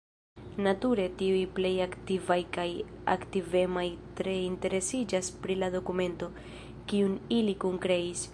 Nature tiuj plej aktivaj kaj aktivemaj tre interesiĝas pri la dokumento, kiun ili kunkreis.